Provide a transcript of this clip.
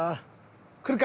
来るか？